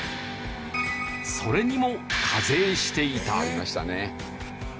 それにも課税していた。